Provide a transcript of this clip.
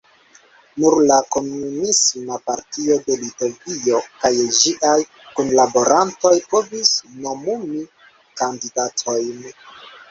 Nur la Komunisma partio de Litovio kaj ĝiaj kunlaborantoj povis nomumi kandidatojn.